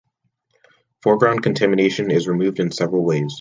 Foreground contamination is removed in several ways.